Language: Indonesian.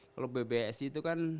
kalau pbsi itu kan